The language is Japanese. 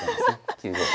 ９五歩。